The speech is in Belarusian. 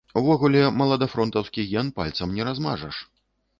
Увогуле, маладафронтаўскі ген пальцам не размажаш.